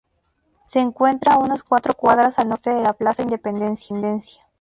Se encuentra a unas cuatro cuadras al norte de la Plaza Independencia.